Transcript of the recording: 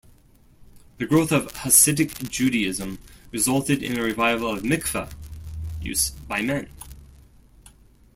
The growth of Hasidic Judaism resulted in a revival of mikveh use by men.